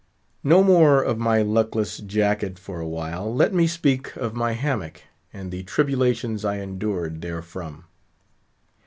No more of my luckless jacket for a while; let me speak of my hammock, and the tribulations I endured therefrom.